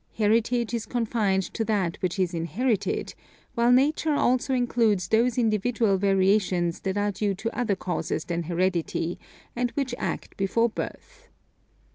Heritage is confined to that which is inherited, while Nature also includes those individual variations that are due to other causes than heredity, and which act before birth.